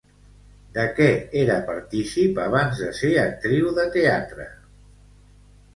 De què era partícip abans de ser actriu de teatre?